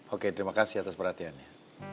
oke terima kasih atas perhatiannya